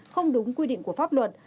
không đúng quy định của pháp luật